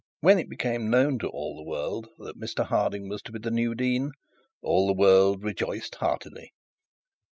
When it became known to all the world that Mr Harding was to be the new dean, all the world rejoiced heartily.